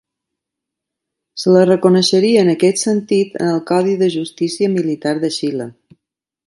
Se la reconeixeria en aquest sentit en el Codi de Justícia Militar de Xile.